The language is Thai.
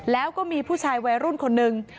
แล้วก็มีผู้ชายวัยรุ่นคนนึง